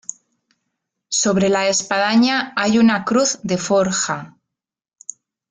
Sobre la espadaña hay una cruz de forja.